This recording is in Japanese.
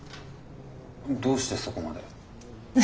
どうしてそこまで？